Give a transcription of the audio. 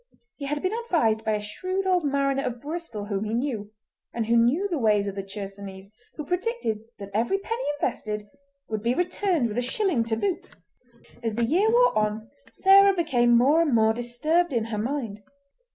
He had been advised by a shrewd old mariner of Bristol whom he knew, and who knew the ways of the Chersonese, who predicted that every penny invested would be returned with a shilling to boot. As the year wore on Sarah became more and more disturbed in her mind.